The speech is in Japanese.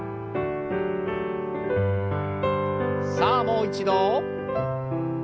さあもう一度。